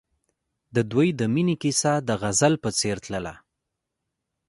د دوی د مینې کیسه د غزل په څېر تلله.